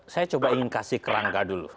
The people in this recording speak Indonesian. saya coba ingin kasih kerangka dulu